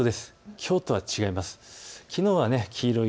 きょうとは違います。